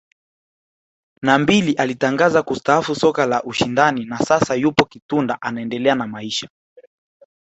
na mbili alitangaza kustaafu soka la ushindani na sasa yupo Kitunda anaendelea na maisha